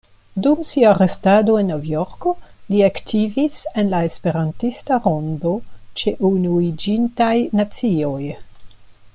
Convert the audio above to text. Dum sia restado en Novjorko li aktivis en la Esperantista rondo ĉe Unuiĝintaj Nacioj.